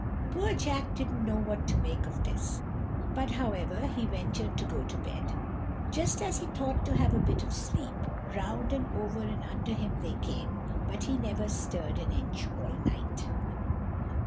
Poor Jack didn't know what to make of this, but, however, he ventured to go to bed. Just as he thought to have a bit of sleep, round and over and under him they came, but he never stirred an inch all night.